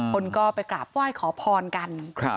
คนก็ไปกราบไหว้ขอพรกัน